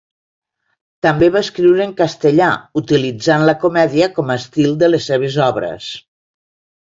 També va escriure en castellà, utilitzant la comèdia com a estil de les seves obres.